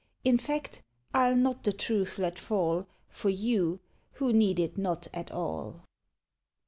In fact, I'll not the truth let fall For you, who need it not at all.